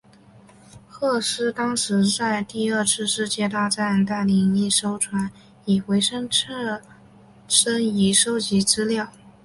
赫斯当时在第二次世界大战带领一艘船以回声测深仪收集资料。